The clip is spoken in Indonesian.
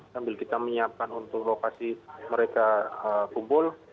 sambil kita menyiapkan untuk lokasi mereka kumpul